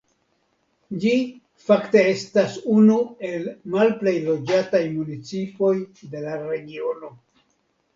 Ĝi fakte estas unu el malplej loĝataj municipoj de la regiono.